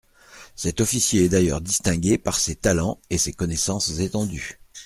Cet officier est d'ailleurs distingué par ses talens et ses connaissances étendues.